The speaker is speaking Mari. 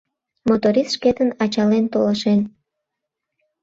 Моторист шкетын ачален толашен.